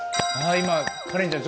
今カレンちゃん